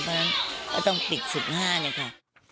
เพราะฉะนั้นก็ต้องปิด๑๕เลยค่ะ